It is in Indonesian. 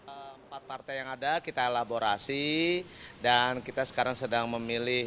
empat partai yang ada kita elaborasi dan kita sekarang sedang memilih